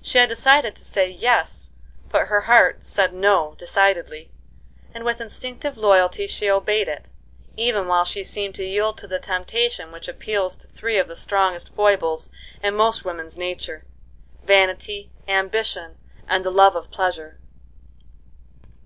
She had decided to say "yes," but her heart said "no" decidedly, and with instinctive loyalty she obeyed it, even while she seemed to yield to the temptation which appeals to three of the strongest foibles in most women's nature,—vanity, ambition, and the love of pleasure.